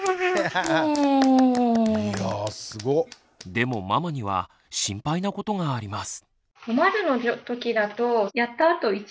でもママには心配なことがあります。